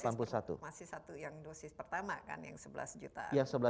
masih satu yang dosis pertama kan yang sebelas juta